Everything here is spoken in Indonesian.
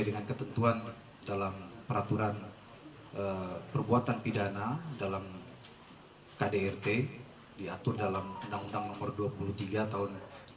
dengan ketentuan dalam peraturan perbuatan pidana dalam kdrt diatur dalam undang undang nomor dua puluh tiga tahun dua ribu